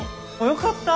よかった。